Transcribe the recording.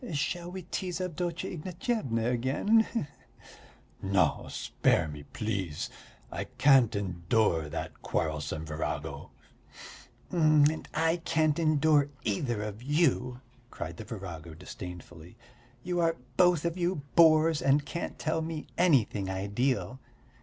Shall we tease Avdotya Ignatyevna again, he he?" "No, spare me, please. I can't endure that quarrelsome virago." "And I can't endure either of you," cried the virago disdainfully. "You are both of you bores and can't tell me anything ideal.